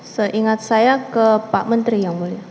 seingat saya ke pak menteri yang mulia